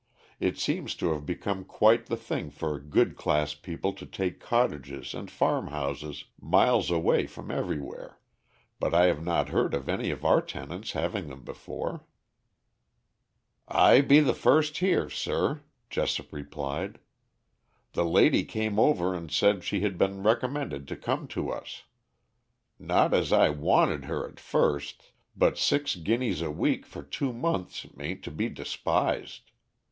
It seems to have become quite the thing for good class people to take cottages and farmhouses miles away from everywhere, but I have not heard of any of our tenants having them before." "I be the first here, sir," Jessop replied. "The lady came over and said she had been recommended to come to us. Not as I wanted her at first, but six guineas a week for two months ain't to be despised.